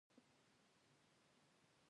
بس چې ته يې سوال کوې يوازې هغه څه در کوي.